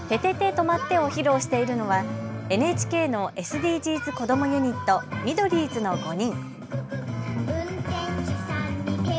とまって！を披露しているのはＮＨＫのＳＤＧｓこどもユニット、ミドリーズの５人。